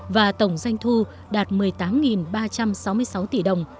và tổng doanh thu đạt một mươi tám ba trăm sáu mươi sáu tỷ đồng